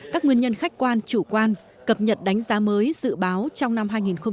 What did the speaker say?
các nguyên nhân khách quan chủ quan cập nhật đánh giá mới dự báo trong năm hai nghìn hai mươi